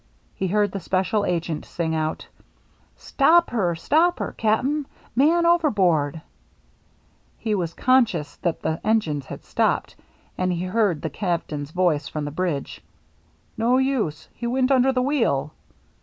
He heard the special agent sing out :" Stop her, stop her, Cap'n ! Man overboard !" He was conscious that the engines had stopped ; and he heard the Cap tain's voice from the bridge :" No use ! He went under the wheel